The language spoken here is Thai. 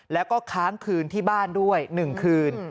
แล้วก็ค้างคืนที่บ้านด้วย๑คืน